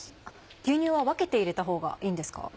牛乳は分けて入れたほうがいいんですか？